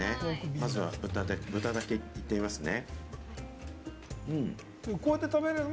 まずは豚だけ行ってみますね。